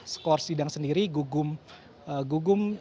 skor sidang sendiri gugum